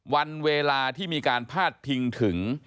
วันเวลาที่พาททิ้งถึง